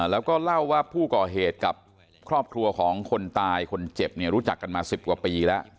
แล้วก็เล่าว่าผู้ก่อเหตุกับครอบครัวของคนตายคนเจ็บเนี่ยรู้จักกันมา๑๐กว่าปีแล้ว